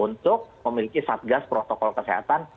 untuk memiliki satgas protokol kesehatan